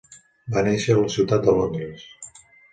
Va néixer a la ciutat de Londres.